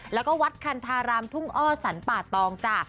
แล้วก็วัดคันธารามทุ่งอ้อสรรป่าตองจ้ะ